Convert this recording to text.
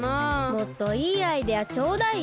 もっといいアイデアちょうだいよ。